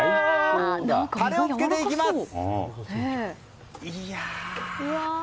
タレをつけていきまして。